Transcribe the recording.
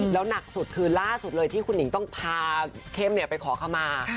แล้วหนักสุดคือล่าสุดเลยที่คุณหนิงต้องพาเข้มไปขอขมา